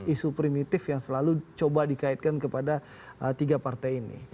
isu primitif yang selalu coba dikaitkan kepada tiga partai ini